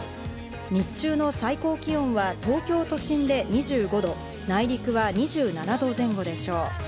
日中の最高気温は東京都心で２５度、内陸は２７度前後でしょう。